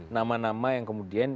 nama nama yang kemudian